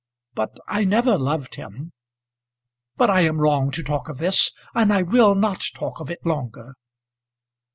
But I never loved him. But I am wrong to talk of this, and I will not talk of it longer.